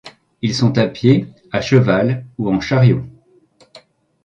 Ils sont à pied, à cheval ou en charriot.